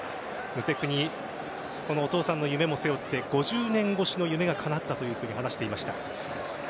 ムセクニお父さんの夢も背負って５０年越しの夢がかなったと話していました。